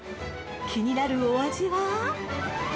気になるお味は？